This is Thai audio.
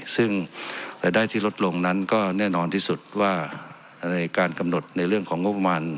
ซึ่งรายได้ที่ลดลงนั้นก็แน่นอนที่สุดว่าในการกำหนดในเรื่องของงบประมาณ